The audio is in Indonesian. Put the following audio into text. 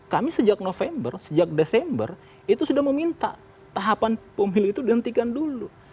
kami sejak november sejak desember itu sudah meminta tahapan pemilu itu dihentikan dulu